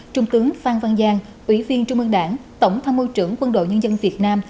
trung tướng phan văn giang ủy viên trung ương đảng tổng tham mưu trưởng quân đội nhân dân việt nam